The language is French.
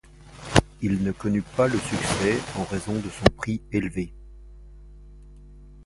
Il ne connut pas le succès en raison de son prix élevé.